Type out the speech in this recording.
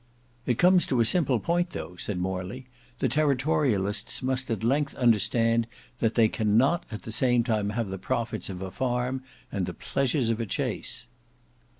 "It comes to a simple point though," said Morley, "the Territorialists must at length understand that they cannot at the same time have the profits of a farm and the pleasures of a chase."